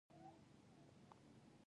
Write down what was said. د تایید لړۍ ستاسو په هڅه پیاوړې کېږي.